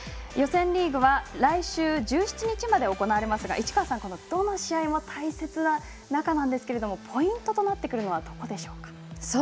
予選リーグは来週１７日まで行われますが市川さん、どの試合も大切な中なんですけれどもポイントとなってくるのはどこでしょうか？